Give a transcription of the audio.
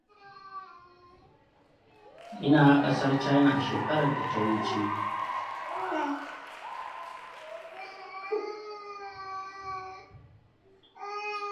Ina kasar China a shekarar da ta wuce.